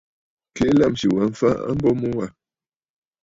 Keʼe lâmsì wa mfa a mbo mu wâ.